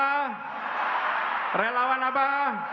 jadilah relawan teladan